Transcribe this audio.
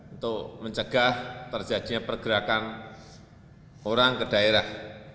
untuk mencegah terjadinya pergerakan orang ke daerah